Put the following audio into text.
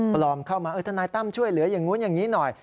ปลอมเข้ามาทนายตั้มช่วยเหลืออย่างนู้นอย่างนี้หน่อย